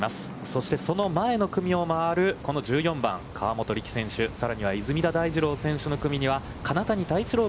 そして、その前の組を回るこの１４番、河本力選手、さらには出水田大二郎選手の組には金谷多一郎